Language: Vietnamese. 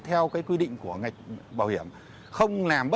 theo cái quy định của ngành bảo hiểm